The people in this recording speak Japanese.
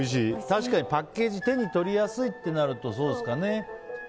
確かにパッケージ手に取りやすいとなるとそうですかね。